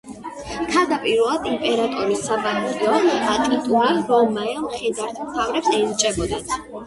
თავდაპირველად იმპერატორის საპატიო ტიტული რომაელ მხედართმთავრებს ენიჭებოდათ.